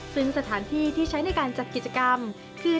ซึ่งสถานที่ที่ใช้ในการจัดกิจกรรมคือ